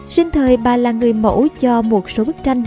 sinh thời bà là người mẫu cho một số bức tranh